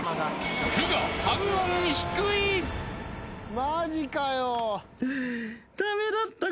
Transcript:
マジかよ。